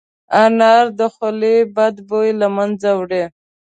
انار د خولې بد بوی له منځه وړي.